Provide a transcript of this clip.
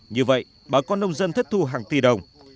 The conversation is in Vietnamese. như vậy bà con nông dân thất thu hàng tỷ đồng